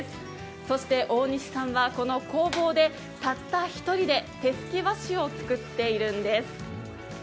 そして大西さんはこの工房でたった１人で手すき和紙を作っているんです。